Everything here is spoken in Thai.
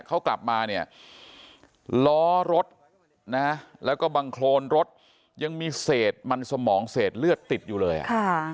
เขากลับมาเนี่ยล้อรถนะแล้วก็บังโครนรถยังมีเศษมันสมองเศษเลือดติดอยู่เลยอ่ะค่ะ